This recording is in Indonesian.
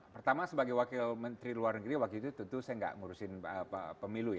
pertama sebagai wakil menteri luar negeri waktu itu tentu saya nggak ngurusin pemilu ya